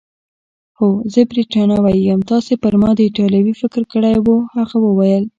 هو، زه بریتانوی یم، تاسي پر ما د ایټالوي فکر کړی وو؟ هغه وویل.